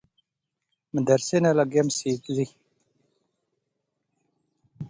مدرسے نال اگے مسیت زی